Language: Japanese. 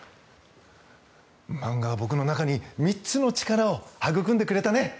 漫画は僕の中に３つの力を育んでくれたね。